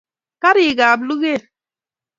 Karik ab luket